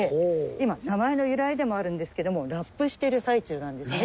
今名前の由来でもあるんですけどもラップしてる最中なんですね。